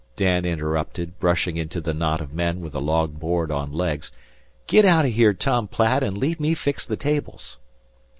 Dan interrupted, brushing into the knot of men with a long board on legs. "Get out o' here, Tom Platt, an' leave me fix the tables."